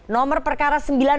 nomor perkara sembilan puluh